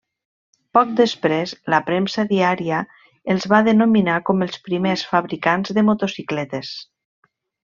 Poc després la premsa diària els va denominar com els primers fabricants de motocicletes.